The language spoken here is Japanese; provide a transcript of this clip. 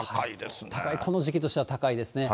高い、この時期としては高いですね。